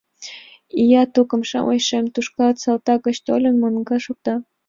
— Ия тукым-шамычын Шем турняшт салтак гыч толын, мангыч шокта.